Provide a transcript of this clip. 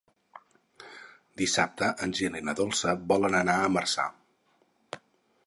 Dissabte en Gil i na Dolça volen anar a Marçà.